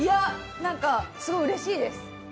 なんかすごいうれしいです。